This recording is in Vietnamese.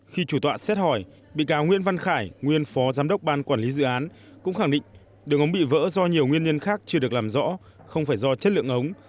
khi chủ tọa xét hỏi bị cáo nguyễn văn khải nguyên phó giám đốc ban quản lý dự án cũng khẳng định đường ống bị vỡ do nhiều nguyên nhân khác chưa được làm rõ không phải do chất lượng ống